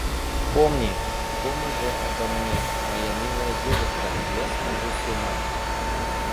Помни, помни же обо мне, моя милая девушка: я схожу с ума.